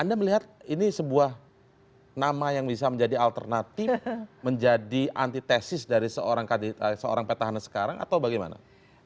anda melihat ini sebuah nama yang bisa menjadi alternatif menjadi antitesis dari seorang petahana sekarang atau bagaimana